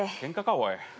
おい。